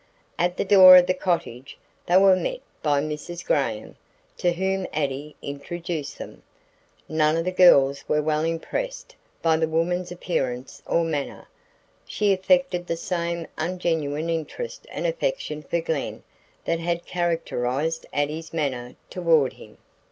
At the door of the cottage, they were met by Mrs. Graham, to whom Addie introduced them. None of the girls were well impressed by the woman's appearance or manner. She affected the same ungenuine interest and affection for Glen that had characterized Addie's manner toward him.